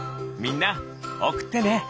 みんなおくってね！